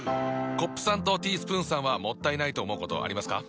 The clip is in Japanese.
コップさんとティースプーンさんはもったいないと思うことありますか？